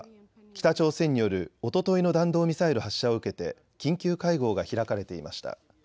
北朝鮮によるおとといの弾道ミサイル発射を受けて緊急会合が開かれていました。